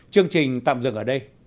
chương trình tạm dừng ở đây